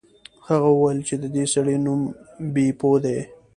هغه وویل چې د دې سړي نوم بیپو دی.